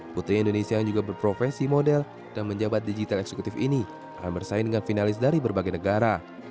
putri indonesia yang juga berprofesi model dan menjabat digital eksekutif ini akan bersaing dengan finalis dari berbagai negara